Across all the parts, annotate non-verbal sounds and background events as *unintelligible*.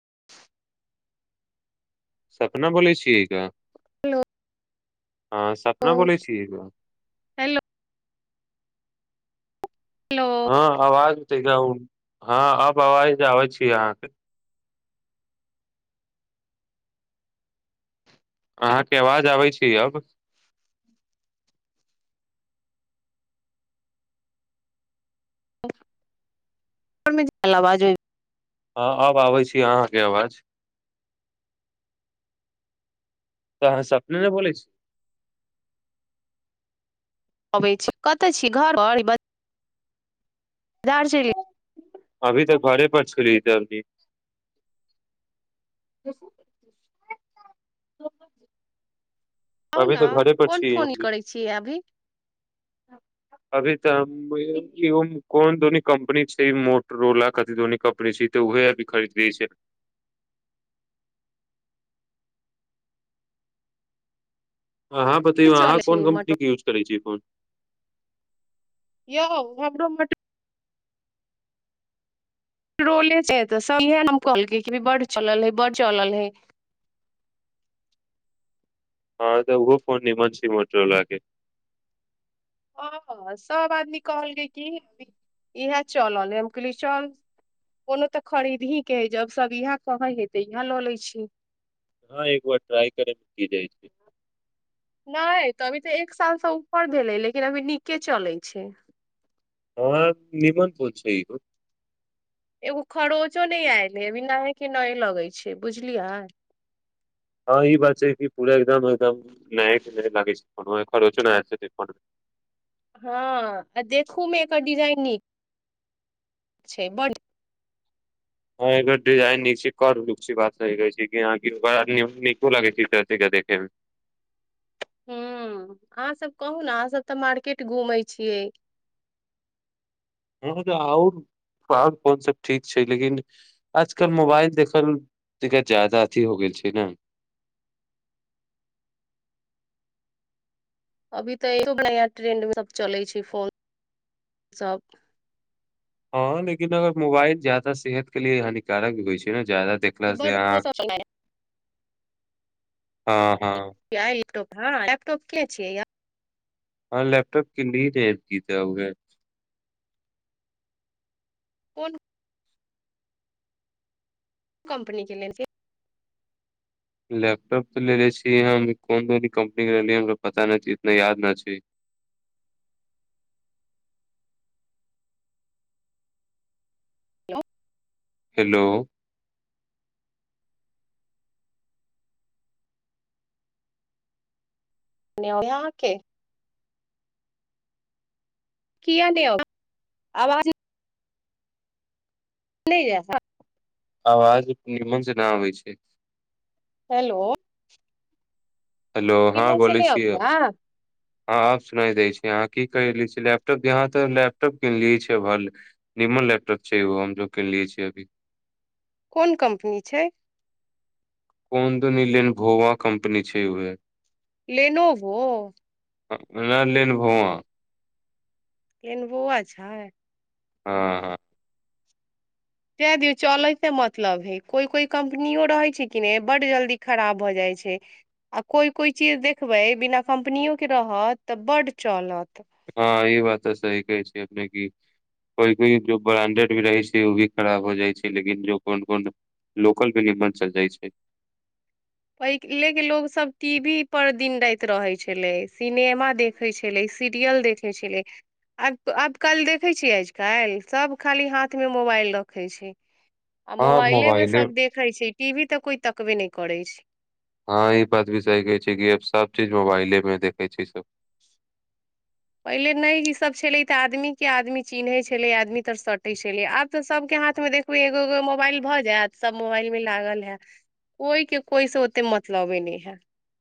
*unintelligible* सपना बोलै छियै का हेलो हँ सपना बोलै छियै का हेलो हेलो हँ आवाज हँ अब आवाज आबै छी अहाँके अहाँके आवाज आबै छी अब आवाज *unintelligible* हँ अब आबै छी अहाँके आवाज तऽ अहाँ सपने ने बोलै छी अबै छी कतय छी घर पर ब बाजार चलि अभी तऽ घरे पर छली दर्मी *unintelligible* आउ अभी ने तऽ घरे पर कोन छी फोन हमनी करै छियै अभी अभी तऽ कोन दोनी कम्पनी छै मोटरोला कथि दोनी कम्पनी छै तऽ ओह अभी खरीद लेने छी अहाँ बतैयौ अहाँ चलै छै कोन मटो कम्पनीके यूज करै छियै फोन यौ हमरो मोट रोले छै सभ तऽ इहे नाम कहलकै बड़ चलल है बड़ चलल है हँ तऽ उहो फोन नीमन छै मोटोरोला के हँ सभ आदमी कहल गेलै कि इएह चलल हे हम कहलियै चल कोनो तऽ खरीदहीके हइ जब सभ इएह कहै हइ तऽ इएह लऽ लै छी हँ एक बार ट्राई करै मे की जाइ छै नहि तऽ अभी तऽ एक सालसँ ऊपर भेलै लेकिन अभी नीके चलै छै ह निमन फोन छै इहो एगो खरोचो नहि आयल हे अभी नयेके नये लगै छै बुझलियै हँ ई बात छै कि पूरा एकदम एकदम नये के नये लागै छै फोन कोनो खरोंचो नहि आबै छै फोन मे हँ आ देखूमे एकर डिजाइन नीक छै बड ह एकर डिजाइन नीक छै करब लुक छै बात सहि कहै छी नीको लगै छै देखे मे ह्म अहाँसभ कहू ने अहाँसभ तऽ मार्केट घूमै छियै हँ तऽ आओर आओर फोन सब ठीक छै लेकिन आजकल मोबाइल देखल ज्यादा अथी हो गेल छै ने अभी तऽ एको बढ़या ट्रेंडमे सभ चलै छै फोन सभ हँ लेकिन अगर मोबाइल ज्यादा सेहत के लिए हानिकारक होइ छै ने ज्यादा देखला से बड फोन आंख सब हँ हँ य हँ लैपटॉप के छियै य हँं लैपटॉप की टइप की जा होगे कोन कम्पनी के लेथि लैपटॉप तऽ लेले छीियै हमह कोन धनी कम्पनी के रहलिय हमरा पता नहि छै इतना याद न छै को हेलो यहके की आ देौ आवाज नहि जैसा आवाज निमज न हो छै हेलो हेलो हँं इमहर से बोलै नहि छिय अबै हे हँ आब सुना दै छी अहाँ की कर ले छियै लैपटॉप यहाँ तऽ लैपटॉप किनलियै छ निमन लैपटॉप छै ओ हम जेो किनलियै छियै अभी कोन कम्पनी छै कोन दनी लेन भोवा कम्पनी छै उह लेनो वो ल लेन भआ केन बोआ छै ह हँ ह दए दियौ चलयके मतलब हइ कोइ कोइ कम्पनओ रहैत छै कि नहि बड्ड जल्दी खराब भऽ जाइत छै आ कोइ कोइ चीज देखबै बिना कम्पनोकके रहत तऽ बड्ड चलत ह ई बात तऽ सही कहै छै अपने कोइ कोइ ब्रांडेड भी रहै छै ओ भी खराब हो जाइ छै लेकिन जो कोन कोन लोकल भी नीमन चल जाइ छै पहिलेके लोकसभ टी वी पर दिन राति रहै छलै सिनेमा देखै छलै सीरियल देखै छलै आब आब काल्हि देखै छियै आज कल्हि सभ खाली हाथमे मोबाइल रखै छै आ मोबाइले मे सब देखे छै टीवी तऽ कोई तकबे नहि करै अछि हँ ई बात भी सही कहै छै कि सब चीज मोबाइलेमे देखै छै सब पहिले नहि इसभ छलै तऽ आदमीके आदमी चिन्हैत छलै आदमी तऽ सटै छलै आब तऽ सभके हाथमे देखबै एगो एगो मोबाइल भऽ जायत सभ मोबाइलमे लागल हए कोइके कोइसँ ओतेक मतलबे नहि हए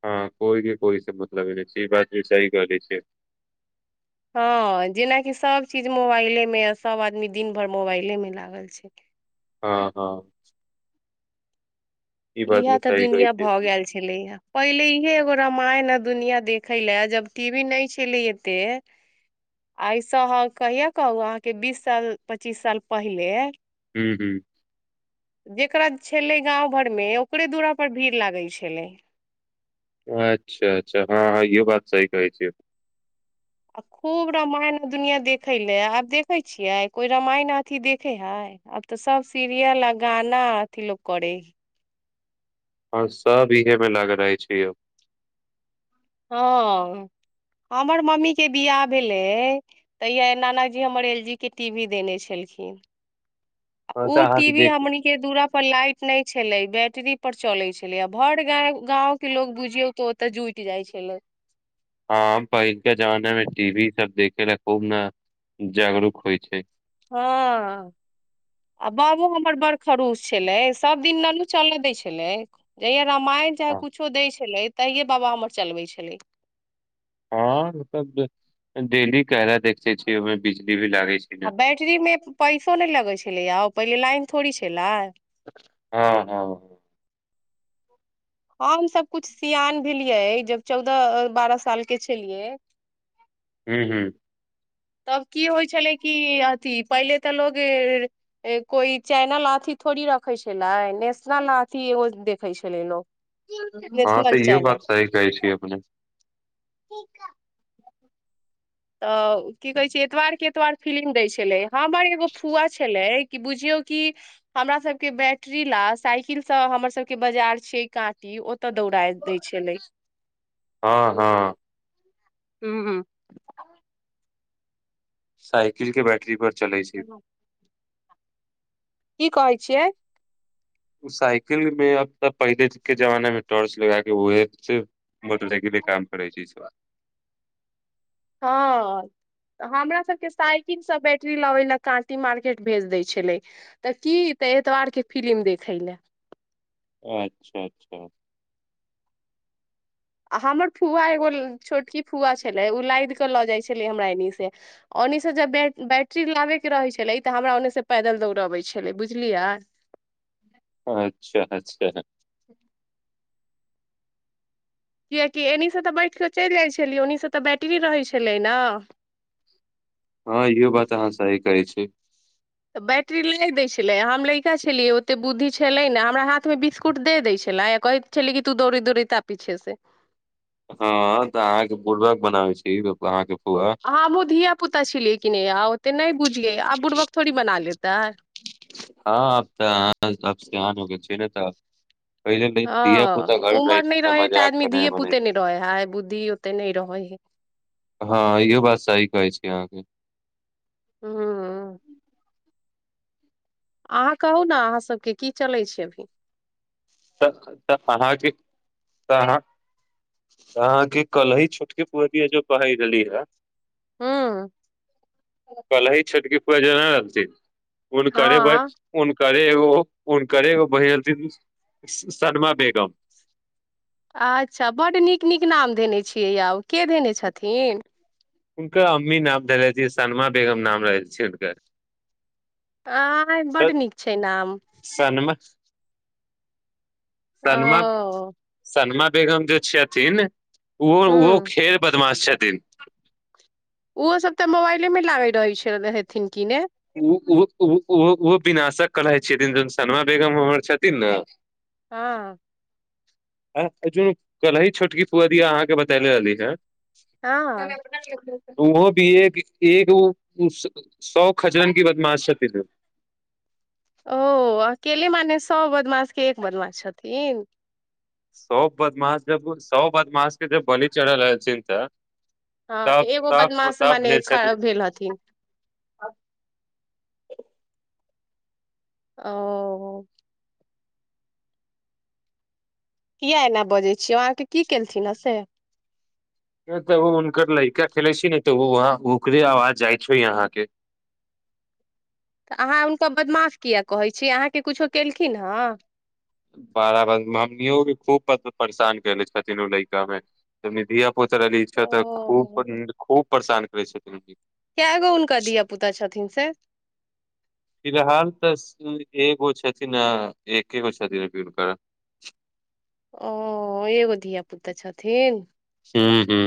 हँ कोइके कोइ सम मतलबै नहि छै ई बात भ सह कहै छै हँ जेनाकि सभचीज मोबाइलेमे आ सभ आदमी दिन भरि मोबाइलेमे लागल छै हँ हँ ई बात इहा भी तऽ सही कहै दुनिया छै भऽ गेल छलैएा पहिले इहे एगो रामायण है दुनिआ देखै लए जब टी वी नहि छलै एतेक एहिइसँ अहाँ कहिआ कहू अहाँके बीस साल पच्चीस साल पहिले ह्म ह जेकरा छलै गाम घर मे ओकरे दुरा पर भीड़ लागै छलै अच्छा अच्छा हँ हँ इहो बात सही कहै छै आ खूब रामायण आ दुनिआँ देखय लए आब देखै छियै कोइ रामायण अथिी देखै हइ आब तऽ सभ सीरियल आ गाना अथिी लोक करै हइ हँ सभ इहेमे लागल रहै छै यौ हँ हमर मम्मीके ब्याह भेलै तऽया नाना जी हमर एल जी के टी वी देने छलखिन ओ अच्छा अहाँ के टीवी देख हमनीक के दुूरा पर लाइट नहि छलै बैट टरी पर चलै छलै आ भर गाँंव के लोग बुझियौ तऽ ओतऽ जुटि जाइ छलै हँ जेना खूब ने जागरूक होइ छै हँ आ बाबो हमर बड़ खरूश छलै सभदिन ननू चलय दै छलै जहिया रामायण हँ चाहे कुछो दै छेलै तहिये बाबा हमर चलबै छेलै हँ डेली कहरा देखते छियै ओहिमे बिजली बिल आ बैटरी मे पैसो नहि लगै छलैया ओ पहिले लाइन थोड़ी छैलै हँ हँ हँ हम सभ कुछ सियान भेलियै जब चौदह बारह साल के छेलियै हूँ हूँ तब की होइ छेलै कि अथी पहिले तऽ लोग कोइ चैनल अथी थोड़ी रखै छेलै नेशनल अथी एगो देखै छेलै लोक हँ तऽ इहो बात सही कहै छी अपने तऽ की कहै छै एतबार के एतबार फिलिम दै छेलै हमर एगो फुआ छेलै कि बुझियौ कि हमरा सबके बैटरी ला साइकिलसँ हमर सबके बाजार छियै काँटी तऽ दौड़ाइ दै छेलै हँ हँ हूँ हूँ ह *inaudible* साइकिल के बैठे अथी पर चलै छै की कहै छियै साइकिल मे अब तऽ पहिले के जमाने मे टॉर्च लगा के उहे मोटर साइकिल के काम करै छी इस बार हँऽ हमरा सभके साइकिल सँ बैटरी लबै ले काँटी मार्केट भेज दै छेलै तऽ की तऽ एतबारके फिलिम देखय ले अच्छा अच्छा आ हमर फूआ एगो छोटकी फूआ छलै ओ लादि कऽ लऽ जाइत छलै हमरा एन्नेसँ ओन्नसँ जब बै बैटरी लाबयके रहै छलै तऽ हमरा ओन्सँ पैदल दौड़बै छेलै बुझलियै अच्छा अच्छा किएकि एन्निसँ तऽ बैठि कऽ चलि जाइ छेलियै ओन्निसँ तऽ बैटरी रहै छेलै न हँ इहो बात अहाँ सही कहै छी तऽ बैट्री लै दै छेलै हम लइका छेलियै ओतेक बुद्धि छेलै नै हमरा हाथमे बिस्कुट दे दै छेलै आ कहैत छेलै कि तू दौड़ैत दौड़ैत आ पीछेसँ हँ तऽ अहाँके बुरबक बनाबै छी अहाँके फुआ अहाँ आबहु धिया पुता छी लेकिन यौ त नहि बुझियै आब बुरबक थोड़ी बना लेतै हँ आब तऽ अहाँ आब सयान हो गेल छियै ने तऽ आब पहिले धिया पुता हँ घर मे रहै उमर छेलै नहि तऽ रहे मजाक आदमी करेमे धिये बनै पुते छै नहि रहे है बुद्धि ओते नहि रहे है हँ इहो बात सही कहै छी अहाँके हँ अहाँ कहू ने अहाँसभके की चलै छै अभी तऽ तऽ अहाँके तऽ अहाँ अहाँके कली छोटके पु जो कहहि रहली हे हँ कली छोटकी फुआ नहि लथि हन करे ब हँ ह करे एगो कोनो केरेगो बहिन सलमा बेगम अच्छा बड्ड नीक नीक नाम धेने छियै यौ के धेने छथिन हुनकर अम्मी नाम धे छ शनमा बेगम नाम रहै छै हुनकर आ स बड नीक छै नाम ओ सलमा सलमा बगम जे छठिन ओहो ओहो हूँ खेर बदमाश छथि तीन ओहो सब तऽ मोबाइले मे लागैत रहैत छै हेथिन कि ने ओ ओ ओहो विनाशक कहै छथिन जन शनमा बेगम हमर छथिन ने हँ न कली छोटकी फुआ दिया अहाँके बतेले रहली है त हँ अप ओहो भी एक एक सौ खजरन की बदमाश छथिे ओ अकेले मने सो बदमाशके एक बदमाास छथिन सब बदमाश जब सभ बदमाश के जब बलि चढ़ल रहलथिन तऽ हँ तऽ तब एगो तब बदमाश तब मने भेल ख छथिन भेल हथिन ओ किया एना बजैत छियै अहाँकेँ की केलथिन हेँ से तऽ हुनकर लड़का खेलै छै ने तऽ वहाँ ओकरे आवाज जाइ छै यहाँके तऽ अहाँ हुनकर बदमाश किएक कहैत छी अहाँके किछो केलखिन हेँ बारा बर मम्मियों भी खूब परेशान कले छथिन ओ लैका मे नि पत रह रहल इच्छ तऽ खू ओ खू परेशान करै छथि केगो हुनका धिय पुता छथिन से फिलहाल तऽ एगो छथिन आ एकेगो छथिनकर ओ एगो धिया पुता छथिन हू हू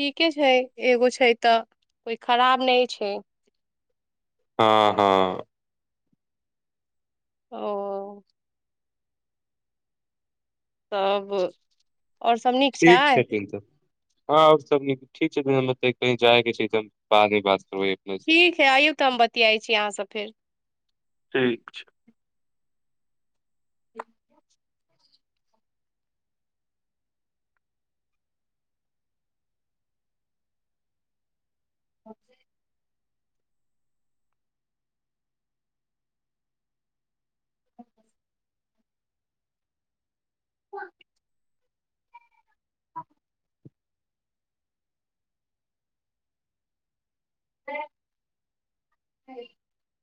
ठीके छै एगो छै। तऽ कोइ खराब नहि छै। हँ हँ ओ तब आओर सब नीक छै ठीक छथिन तऽ हँ आओर सब निक ठीक छथिन मतलब कही जाय के छै तऽ बाद मे बात करबै अपने से ठीक है आइयौ तऽ हम बतियाइ छी अहाँसे फेर ठीक छै *unintelligible* *unintelligible* *unintelligible* *unintelligible*